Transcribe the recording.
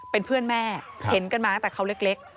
เป็นเพื่อนแม่เห็นกันมาตั้งแต่เขาเล็ก